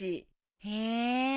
へえ。